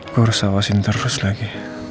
gue harus awasin terus lagi